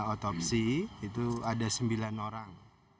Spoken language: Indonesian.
otopsi itu ada sembilan orang